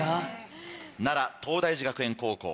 奈良東大寺学園高校